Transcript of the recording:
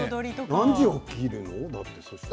何時に起きるの？